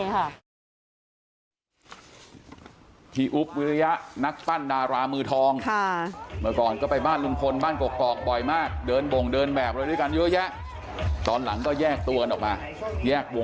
หลับโดนเขียนทิ้งและยังถูกด่านรับหลังสารพัฒน์